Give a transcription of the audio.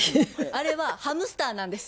あれはハムスターなんです。